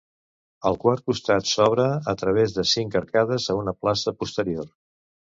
El quart costat s'obre a través de cinc arcades a una plaça posterior.